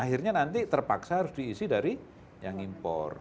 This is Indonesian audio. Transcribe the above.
akhirnya nanti terpaksa harus diisi dari yang impor